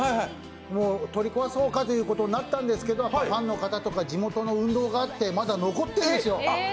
取り壊そうかということになったんですけど、ファンの方とか地元の運動があって、まだ残ってるんですよ。